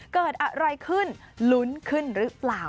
เกิดอะไรขึ้นลุ้นขึ้นหรือเปล่า